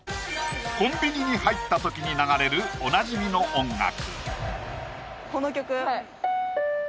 コンビニに入った時に流れるおなじみの音楽